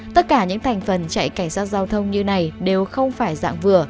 tất cả những thành phần chạy cảnh sát giao thông như này đều không phải dạng vừa